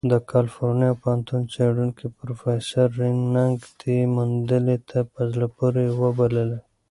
د کلیفورنیا پوهنتون څېړونکی پروفیسر رین نګ دې موندنې ته "په زړه پورې" وبللې.